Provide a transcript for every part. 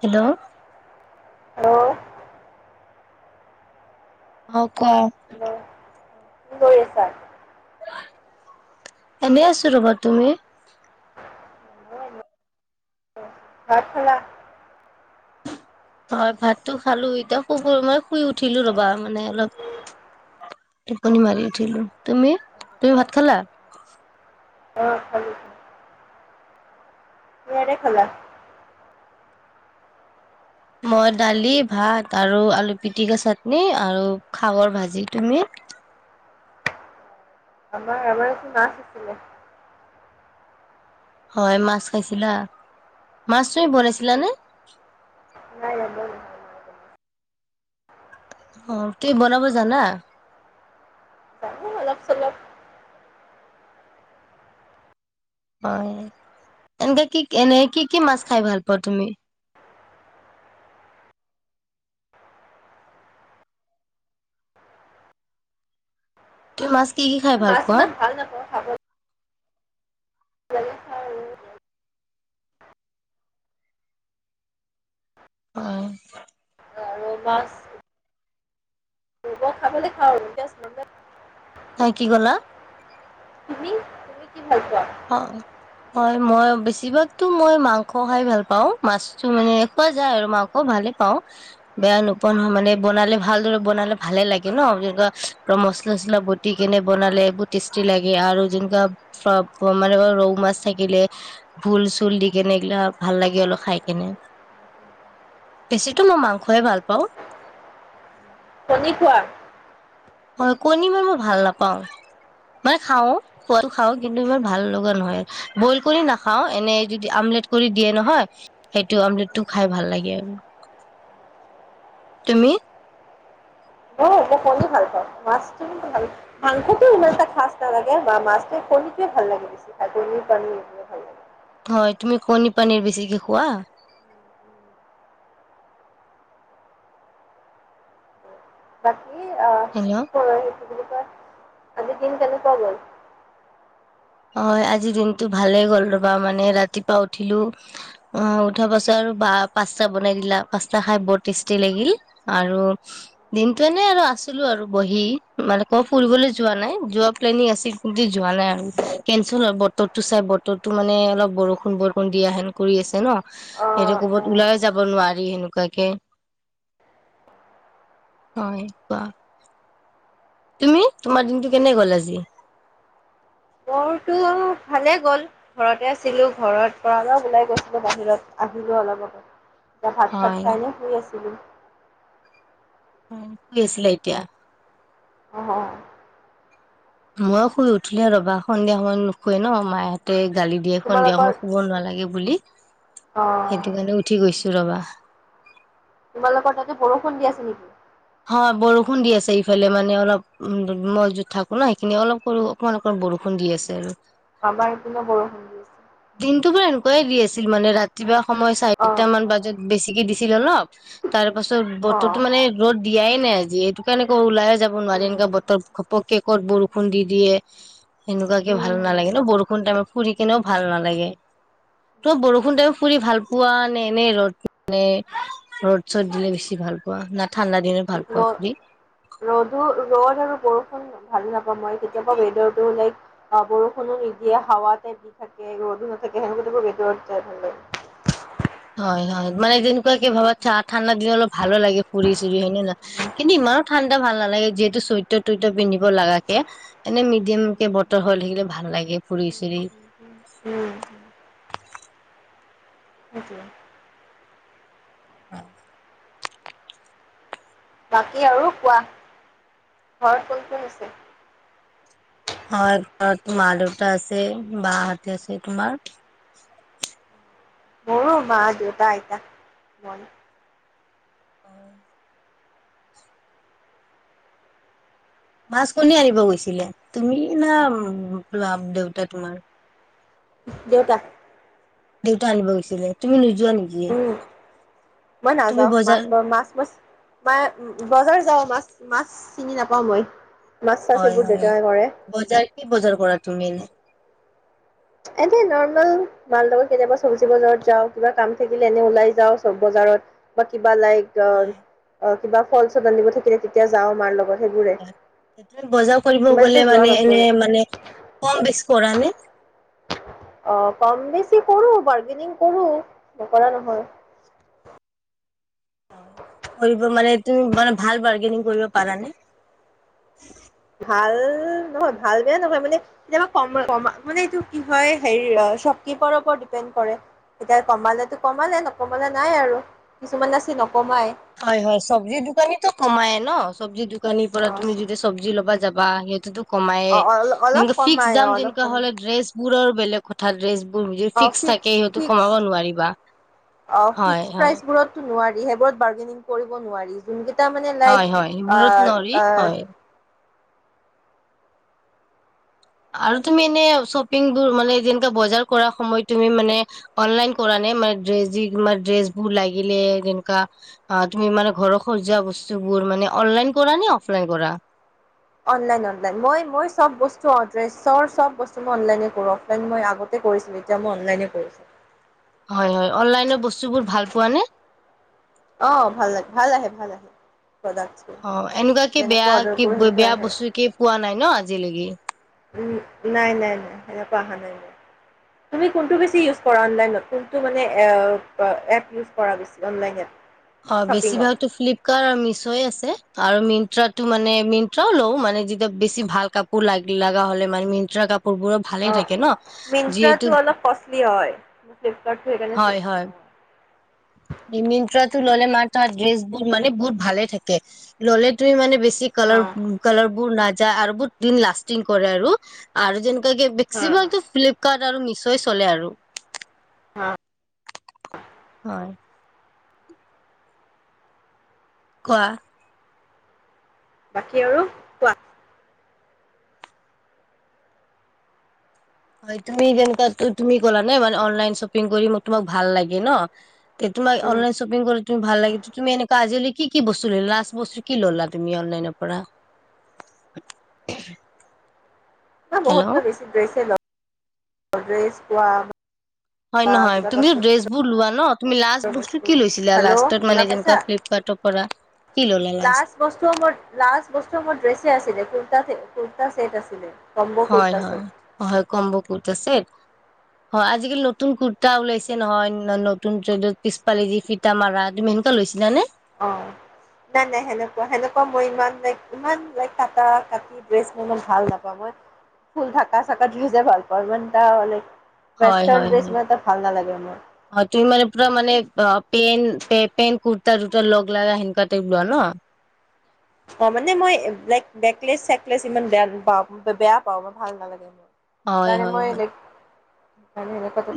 Hello আহ অ' ক হেল্ল' কি কৰি আছা? এনেই আছো ৰ'বা। তুমি? মই এনেই ভাত খালা? হয় ভাতটো খালোঁ‌। এতিয়া শুবই মই শুই উঠিলো ৰ'বা মানে অলপ টোপনি মাৰি উঠিলো। তুমি তুমি ভাত খালা? অ' খালো। কিহেৰে খালা? মই দালি ভাত আৰু আলু পিটিকা, চাটনি আৰু খাগৰ ভাজি। তুমি? আমাৰ, আমাৰ আজি মাছ আছিলে। হয় মাছ খাইছিলা, মাছ তুমি বনাইছিলানে? নাই ৰন্ধা নহয় মায়ে বনাইছে অ'। তুমি বনাব জানা? [inaudible] হয়। এনেকে কি এনে কি কি মাছ খাই ভাল পোৱা তুমি? পুঠি মাছ। কি কি খাই ভাল মাছ পোৱা ইমান ভাল নাপাওঁ খাব। লাগে খাওঁ আৰু অ'। কাৱৈ মাছ মই খাব লাগে খাওঁ‌ তেজ নাপাওঁ। সে কি ক'লা? তুমি তুমি কি ভাল পোৱা? অ' হয় মই বেছিভাগতো মই মাংস খাই ভাল পাওঁ। মাছটো মানে খোৱা যায় আৰু মাংস ভালে পাওঁ, বেয়া নোপোৱা নহয়। মানে বনালে ভালদৰে বনালে ভালে লাগে ন। যেনেকা মচলা চচলা বতি কেনে বনালে বহুত টেষ্টি লাগে আৰু যেনেকুৱা মানে ৰৌ মাছ থাকিলে। ভোল চুল দি কেনে এইগিলা ভাল লাগে আৰু খাই কেনে। বেছিতো মই মাংসই ভাল পাওঁ। কণী খোৱা? হয় কণী মই মই ভাল নাপাও। মানে খাওঁ‌ খোৱাতটো খাওঁ‌। ইমান ভাল লগা নহয়। বইল কৰি নাখাওঁ‌ এনেই যদি আমলেট কৰি দিয়ে নহয়, সেইটো আমলেটটো খাই ভাল লাগে। আৰু তুমি? অ' মই কণী ভাল পাওঁ। মাছটো কিন্তু ভাল। মাংসটো ইমান এটা ভাল নালাগে বা মাছটো কণীটোৱে ভাল লাগে। তুমি কণীৰ পানীৰ বেছিকে খোৱা? লাগে হেল্ল' হয়। [inaudible] কি বুলি কয় আজিৰ দিন কেনেকুৱা গ'ল? হয় আজি দিনতটো ভালেই গ'ল ৰবা, মানে ৰাতিপুৱা উঠিলো। অ' উঠাৰ পাছত আৰু বা পাস্তা বনাই দিলা। পাস্তা খাই বৰ টেষ্টি লাগিল। আৰু দিনটো এনে আৰু আছিলো আৰু বহি মানে ক ফুৰিবলৈ যোৱা নাই। যোৱা প্লেনিং আছিল কিন্তু যোৱা নাই আৰু। কেচেল হয় বতৰটো চাই বতৰটো মানে অলপ বৰষুণ বৰষুণ দিয়া হেন কৰি আছে ন? সিহটো অঁ কবাত অঁ ওলাই যাব নোৱাৰি। সেনেকুৱাকে হয় কা তুমি তোমাৰ দিনটো কেনে গ'ল আজি? মোৰতো ভালে গ'ল ঘৰতে আছিলো। ঘৰত পৰা ওলাই গৈছিলো বাহিৰত। আহিলো অলপ অলপ। এতিয়া ভাত হয় চাত খাই এনেই শুই আছিলো। কি আছিলে এতিয়া? অ'। ময়ো শুই উঠিলে ৰ'বা। সন্ধিয়া সময়ত নুশুৱে ন মাহেঁতে। গালি দিয়ে সন্ধিয়া তোমালোকৰ সময়ত শুব নালাগে বুলি। অ সেইটো কাৰণে উঠি গৈছোঁ। ৰ'বা। তোমালোকৰ তাতে বৰষুণ দি আছে নেকি? হয় বৰষুণ দি আছে ইফালে মানে অলপ উ মই য'ত থাকো ন সেইখিনি অলপ সৰু অকমান অকমান বৰষুণ দি আছে আৰু। আমাৰ ইপিনেও বৰষুণ দি আছে। দিনটোৰ পৰা এনেকুৱাই দি আছিল মানে ৰাতিপুৱা সময় অঁ চাৰিটা মান অঁ বজাত বেছিকে দি ছিল অলপ তাৰ পাছত অঁ বতৰটো মানে দিয়াই নাই আজি এইটো কাৰণে ক ওলাই আ যাব নোৱাৰিম ক উম এনেকুৱা বতৰ ঘপক কে ক'ত বৰষুণ দি দিয়ে সেনেকোৱাকে ভাল উম উম নালাগে ন বৰষুণ টাইমত ফুৰি কেনেও ভাল নালাগে তই বৰষুণ টাইমত ফুৰি ভাল পোৱা নে এনেই ৰ'দ মানে ৰ'দ চদ দিলে বেছি ভাল পোৱা না ঠাণ্ডা দিনত ভাল পোৱা ৰ ফুৰি? ৰ'দো ৰ'দ আৰু বৰষুণ ভাল না মই কেতিয়াবা ৱেডাৰ টো লাইক আহ বৰষুণো নিদিয়ে হাৱা টাইপ দি থাকে ৰ'দো নাথাকে সেনেকোৱা টাইমত ভিতৰত যাই ভাল লাগে। হয় হয় মানে যেনেকুৱাকে ভাবা ঠা ঠাণ্ডা দিন অলপ ভালো লাগে ফুৰি চুৰি হয় নে নহয় কিন্তু ইমান ঠাণ্ডা ভাল নালাগে যিহেতু চইটা তইটা পিন্ধিব লগাকে এনে মিডিয়ামকে বতৰ হৈ থাকিলে ভাল লাগে ফুৰি চুৰি। উম সেইটোৱে আহ। বাকী আৰু কোৱা ঘৰত কোন কোন আছে? হয় ঘৰত মা দেউতা আছে বাহঁতে আছে। তোমাৰ? মোৰো মা দেউতা। মই অ মাছ কণী আনিব গৈছিলে তুমি না ল দেউতা তোমাৰ দেউতা দেউতা আনিব গৈছিলে তুমি নি উম মই তুমি নাযাও বজাৰ মাছ ব মাছ মাছ ম বজাৰ যাওঁ মাছ মাছ চিনি নাপাওঁ মই। মাছ চাছ হয় এইবোৰ হয় দেউতাই কৰে। বজাৰ কি বজাৰ কৰা তুমি এনে এনে নৰ্মেল মাৰ লগৰ কেতিয়াবা চব্জি বজাৰত যাওঁ কিবা কাম থাকিলে এনে ওলাই যাওঁ বজাৰত বা বা লাইক অ হয় অহ কিবা ফল চল আনিব থাকিলে তেতিয়া যাওঁ মাৰ লগত সেইবোৰে হয়, সেইটো বজাৰ কৰিব ইমানতো গ'লে যোৱা মানে এনে নপৰে মানে কম বেছি কৰা নে? অহ কম বেছি কৰোঁ, বাৰ্গেনিং কৰোঁ নকৰা নহয়। হয় কৰিব মানে তুমি মানে ভাল বাৰ্গেনিং কৰিব পাৰা নে? ভাল নহয় ভাল বেয়া নহয় মানে কেতিয়াবা ক কমা মানে এইটো কি হয় হেৰি চপ কিপাৰৰ ওপৰত ডিপেণ্ড কৰে। এতিয়া কমালে টো কমালে নকমালে নাই আৰু কিছুমান যে আছে নকমাই। হয় হয় চবজি দোকানীটো কমাই ন, চবজি দো দোকানিৰ পৰা তুমি যেতিয়া ছবজি লব যা বা সেইটোতো, কমাইয়ে অ অ অলপ কিন্তু ফিক্স কমাই অ দাম অলপ যেনেকোৱা কমাই হ'লে ড্ৰেছ, বোৰৰ বেলেগ কথা ড্ৰেছ, যিবোৰ অ ফিক্স থাকে, সিহতো কমাব ফিক্স নোৱাৰিবা অ হয় ফিক্স হয়। প্ৰাইচবোৰতো নোৱাৰি সেইবোৰত বাৰ্গেনিং কৰিব নোৱাৰি যেনেকে, এটা মানে হয় লাইক, হয় অ সেইবোৰত নোৱাৰি অ হয় আৰু তুমি এনে চপিংবোৰ মানে যেনকা বজাৰ কৰা সময়ত তুমি মানে অনলাইন কৰা নে, মেকড্ৰেজি, তোমাৰ দ্ৰেছবোৰ লাগিলে, যেনেকোৱা তুমি মানে ঘৰত সজোৱা বস্তুবোৰ মানে অনলাইন কৰা নে অফলাইন কৰা? Online online. মই মই চব বস্তু ড্ৰেচৰ বস্তু মই অনলাইননে কৰো অফলাইন মই আগতে কৰিছিলো এতিয়া মই অনলাইনে কৰো হয় হয়। অনলাইনৰ বস্তুবোৰ ভাল পোৱা নে? অ ভাল লাগে, ভাল আহে ভাল আহে। প্ৰডাক্টছবোৰ অ এনেকোৱা কি, যেনেকুৱা বেয়া অৰ্ডাৰ কি কৰোঁ সেনেকুৱা বেয়া আহে বস্তু কি পোৱা নাই ন? আজিলৈকে উম নাই নাই নাই সেনেকোৱা অহা নাই মোৰ। তুমি কোনটো বেছি ইউজ কৰা অনলাইনত, কোনটো মানে এ এপ ইউজ কৰা বেছি অনলাইন? অ শ্বপিঙত বেছিভাগতো ফ্লিপকাৰ্ট আৰু মিছয় আছে। আৰু মিন্ট্ৰা টো মানে মিন্ট্ৰাও লও, মানে যেতিয়া বেছি ভাল কাপোৰ লাগে লগা হলে, মানে মিট্ৰা কাপো অঁ অ মিনট্ৰাটো অলপ কষ্টলি হয় ফ্লিপকাৰ্টটো সেইকাৰণে হয় আছে, হয় মিন্ত্ৰাটো ললে মাৰ তাৰ ড্ৰেছ বোৰ মানে বহুত ভালে থাকে ললে তুমি মানে বে ছি হা কালাৰ কালাৰ বোৰ না যাই আৰু বহুত দিন লাষ্টিং কৰে আৰু, আৰু যেন হা বেক্সিমলটো ফ্লিপকাৰ্ট, আৰু মিচয় চলে আৰু। অ। হয়। কোৱা বাকী আৰু কোৱা। হয় তুমি যেনেকোৱা তুমি ক'লা নে মানে অনলাইন শ্বপিং কৰি তোমাক ভাল লাগে ন। তোমাক অনলাইন শ্বপিং কৰি তুমি ভাল লাগে, তুমি এনেকোৱা আজিকালি কি কি বস্তু ললা? লাষ্ট বস্তু কি ললা তুমি অনলাইনৰ পৰা? এ বহুত হেল্ল'। মানে মই বেছি ড্ৰেছে লও। ড্ৰেছ কোৱা। হয় বা নহয়, কিবা তুমি ড্ৰেছ কচমেটিকছৰ বোৰ লোৱা ন? তুমি লাষ্ট বস্তু কি লৈছিলা হেল্ল' লাষ্টত মানে শুনা যেনেকুৱা পাইছা? ফ্লিপকাৰ্টৰ পৰা কি ল'লা লাষ্ট বস্তু মোৰ লাষ্ট বস্তু মোৰ ড্ৰেছে আছে দেখোন। কুৰ্টা ছেট আছিলে। কম্ব হয় কুৰ্তা হয় ছেট হয় কম্ব কুৰ্টা ছেত অ আজিকালি নতুন কুৰ্তা ওলাইছে নহয় নতুনত পিছপালি যি ফিতা মাৰা তুমি সেনেকোৱা লৈছিলানে। অ নাই নাই সেনেকোৱা সেনেকোৱা মোৰ ইমান নাই ইমান লাইক কাটা কাটি ডেছ মই ইমান ভাল নাপাওঁ মই ফুল ঢকা চাতইজে ভাল পাওঁ ইমান টা হলে হয় হয় হয় মোৰ হয় তুমি মানে পুৰা মানে অ। পেন পেন কুৰ্তা তুৰ্তা লগ লগা সেনেুৱা টাইপ লোৱা ন? অ মানে মই লাইক নেকলেচ চেকলেচ ইমান বেয়াপাওঁ বেয়া পাওঁ ম ভাল নালাগে মোৰ। হয় সেইকাৰণে হয় মই হয় ল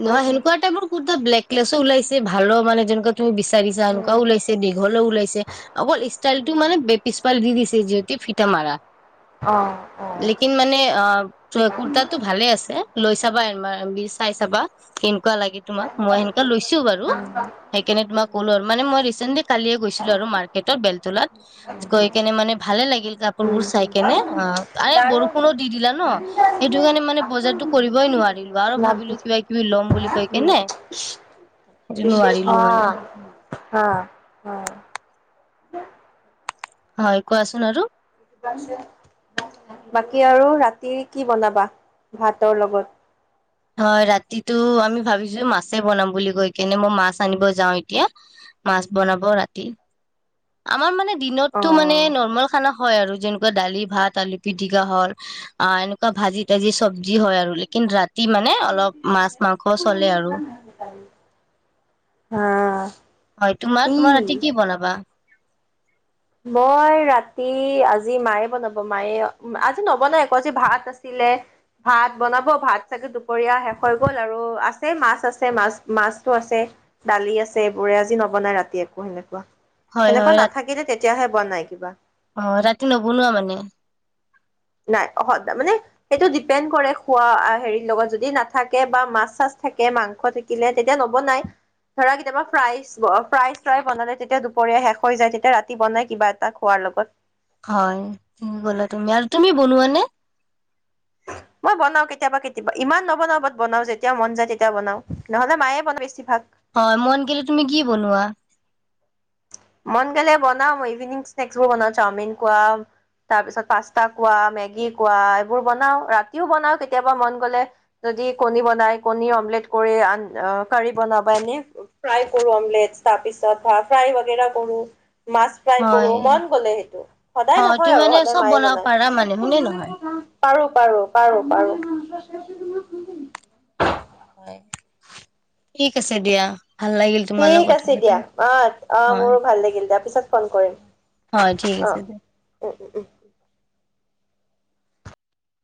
নহয় সেনেকুৱা টাইপৰ কুতা ব্লেকলেছো ওলাইছে। ভালো মানে যেনেক বিচাৰিছা উম এনেকুৱও ওলাইছে দীঘলে ওলাইছে অকল ষ্টাইল টো মানেে পিছপাল দি দিছে। যিহতি ফিটা মাৰা। অ' অ' লেকিন মানে অ কুৰ্তাটো ভালে আছে। লৈ চাবা এবাৰ [inaudible] চাই। [unintelligible] কেনেকুৱ লাগে তোমক? মই সেনেকা লৈছো বাৰু। সেইকাৰনে তোমাক ক'লো আৰু মানে মই ৰিচেন্টলি কালিয়ে গৈছিলো আৰু মাৰ্কেটত, বেলতলাত গৈ কেনে মানে ভালে লাগিল। গিল কাপ। ক উম বোৰ চাই কেনে অ বৰষুণো দি দিলে ন। সেইটো কাৰণে মানে বজাৰতো কৰিবই নোৱাৰোঁ। আৰু ভাবিলো। কিবা কিবি ল'ম বুলি কৈ কেনে সেইটো নোৱাৰিলো মানে। হা উ। [inaudible] হয় কোৱা চোন আৰু। বাকী আৰু ৰাতি কি বনাবা ভাতৰ লগত? হয় ৰাতিটো আমি ভাবিছো মাছে বনাম বুলি কৈ কেনে, মই মাছ আনিব যাওঁ এতিয়া। মাছ বনাব ৰাতি। আমাৰ মানে দিনতটো মানে নৰ্মেল খানা হয় আৰু। যেনেকুৱা দালি ভাত আলু পিটিকা হল, অ এনেকুৱা ভাজি তাজি চব্জি হয় আৰু। লকিন ৰাতি মানে অলপ মাছ মাংস চলে আৰু। অ' হা হয় তোমাৰ কি? তোমাৰ ৰাতি কি বনাবা? মই ৰাতি আজি মায়ে বনাব মায়ে আজি নবনাই একো আজি ভাত আছিলে। ভাত বনাব ভাত চাগে দুপৰীয়া শেষ হৈ গল আৰু আছে মাছ আছে মাছ মাছতো আছে। দালি আছে এইবোৰে আজি নবনাই ৰাতি একো সেনেকুৱা। সেনেকুৱা নাথাকিলে তেয়া। আহ ৰাতি নবনুৱা মানে? নাই মানে সেইটো ডিপেণ্ড কৰে খোৱা হেৰিৰ লগত, যদি নাথাকে বা মাছ চাছ থাকে মাংস থাকিলে তেতিয়া নবনাই। ধৰা কেতিয়াবা ফ্ৰাই ফ্ৰাই্ৰাই বনালে তেতিয়া দুপৰীয়া শেষ হৈ যায়। তেতিয়া ৰাতি বনাই কিবা এটা খোৱাৰ লগত। হয় [unintelligible] তুমি আৰু তুমি বনোৱা নে? মই বনাও কেতিয়াবা কেতিয়াবা। ইমান নবনাও বাত বনাও যেতিয়াও মন যায় তেতিয়া বনাও। নহ'লে মায়ে বনায় বেছি ভাগ। হয় মন গেল তুমি কি বনোৱা? মন গেলে বনাও মই ইভিনিং স্নকছ বোৰ বনাও, চাওমিন কোৱা, তাৰ পিছত পাস্তা কোৱা, মেগী কোৱা, এইবোৰ বনাও ৰাতিও বনাও কেতিয়াবা মন গলে, যদি কণী বনাই কণী অমলেট কৰি আন আ কাৰি বনাব এনেই প্ৰাই কৰো অমলেট, তাৰপিছত পিছত ভাত প্ৰায় বগেৰা কৰো। মাছ ফ্ৰাই কৰো হয় মন গ'লে, সেইটো সদায় অ', নহয় তুমি আৰু মানে সদায় চব মায়ে বনাব বনাই পাৰা মানে হয়নে নহয়? পাৰো পাৰো পাৰো পাৰো। হয় ঠিক আছে দিয়া ভাল লাগিল তোমাৰ লগত ঠিক কথা আছে পাতি, দিয়া অ অ হয়, মোৰো ভাল লাগিল দিয়া পিছত ফোন কৰিম হয় ঠিক অ আছে দিয়া। উম উ উ